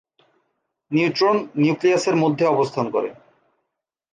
Neutron নিউক্লিয়াসের মধ্যে অবস্থান করে।